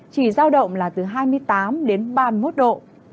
chỉ giao động là từ hai mươi tám đến ba mươi một độ